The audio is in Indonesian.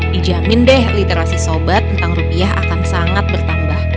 dijamin deh literasi sobat tentang rupiah akan sangat bertambah